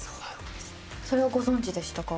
それはご存じでしたか？